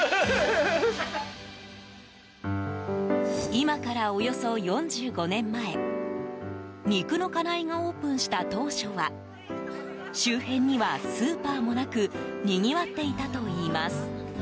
今からおよそ４５年前肉の金井がオープンした当初は周辺にはスーパーもなくにぎわっていたといいます。